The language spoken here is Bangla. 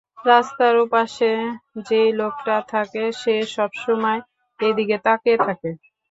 রাস্তার ওপাশে যেই লোকটা থাকে সে সবসময় এদিকে তাকিয়ে থাকে।